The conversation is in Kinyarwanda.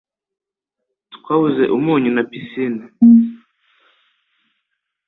Twabuze umunyu na pisine.